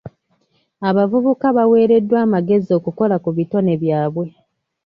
Abavubuka baweereddwa amagezi okukola ku bitone byabwe.